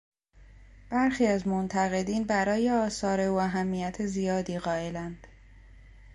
برخی از منقدین برای آثار او اهمیت زیادی قایلند.